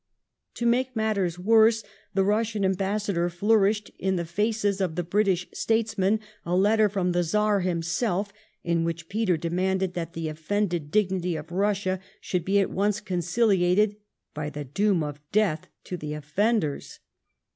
To make matters worse, the Eussian ambassador flourished in the faces of the British statesmen a letter from the Czar himself, in which Peter demanded that the offended dignity of Eussia should be at once conciliated by the doom of death to the offenders.